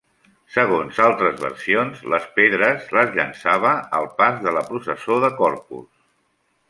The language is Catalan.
Segons altres versions, les pedres les llançava al pas de la processó de Corpus.